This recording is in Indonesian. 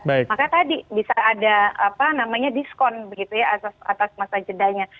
maka tadi bisa ada diskon atas masa jedanya